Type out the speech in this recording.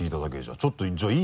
ちょっとじゃあいい？